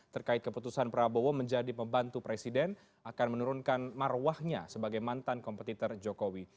terkait keputusan prabowo menjadi pembantu presiden akan menurunkan marwahnya sebagai mantan kompetitor jokowi